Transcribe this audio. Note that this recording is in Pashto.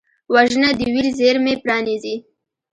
وژنه د ویر زېرمې پرانیزي